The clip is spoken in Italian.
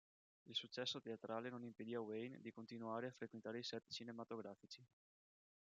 Il successo teatrale non impedì a Wayne di continuare a frequentare i set cinematografici.